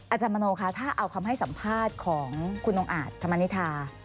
อาจารย์มโนคะถ้าเอาคำให้สัมภาษณ์ของคุณองค์อาจธรรมนิษฐา